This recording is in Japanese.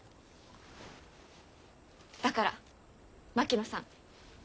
だから槙野さん。